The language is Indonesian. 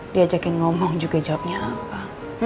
diajakin ngomong juga jawabnya apa